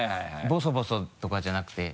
ボソボソとかじゃなくて。